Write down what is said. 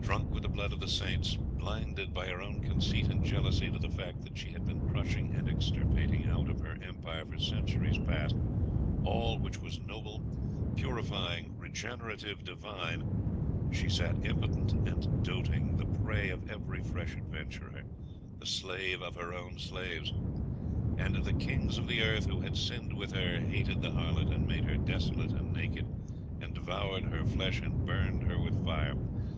Drunk with the blood of the saints; blinded by her own conceit and jealousy to the fact that she had been crushing and extirpating out of her empire for centuries past all which was noble, purifying, regenerative, divine, she sat impotent and doting, the prey of every fresh adventurer, the slave of her own slaves.... 'And the kings of the earth, who had sinned with her, hated the harlot, and made her desolate and naked, and devoured her flesh, and burned her with fire.